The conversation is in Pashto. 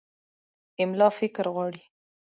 املا فکر غواړي.